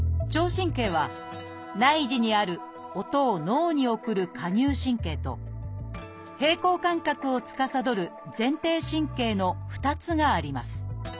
神経は内耳にある音を脳に送る蝸牛神経と平衡感覚をつかさどる前庭神経の２つがあります。